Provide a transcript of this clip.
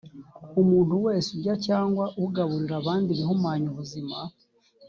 umuntu wese urya cyangwa ugaburira abandi ibihumanya ubuzima